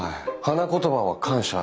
花言葉は「感謝」。